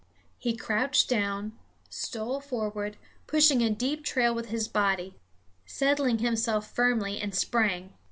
He crouched down, stole forward, pushing a deep trail with his body, settled himself firmly and sprang.